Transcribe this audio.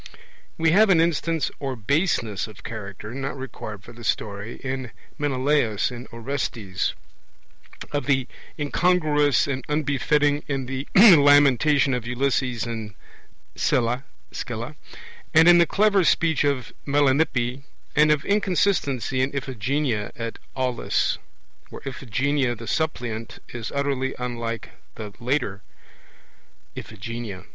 We have an instance of baseness of character, not required for the story, in the Menelaus in Orestes; of the incongruous and unbefitting in the lamentation of Ulysses in Scylla, and in the (clever) speech of Melanippe; and of inconsistency in Iphigenia at Aulis, where Iphigenia the suppliant is utterly unlike the later Iphigenia.